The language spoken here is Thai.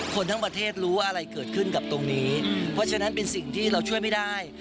คนทั้งประเทศรู้อะไรเกิดขึ้นกับตรงนี้เพราะฉะนั้นเป็นสิ่งที่เราช่วยไม่ได้